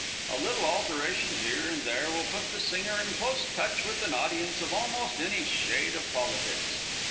A little alteration here and there will put the singer in close touch with an audience of almost any shade of politics.